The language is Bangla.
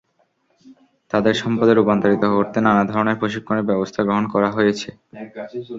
তাদের সম্পদে রূপান্তরিত করতে নানা ধরনের প্রশিক্ষণের ব্যবস্থা গ্রহণ করা হয়েছে।